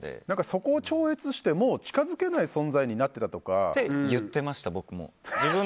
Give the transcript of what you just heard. そこを超越してもう近づけない存在にって、言ってました、僕も。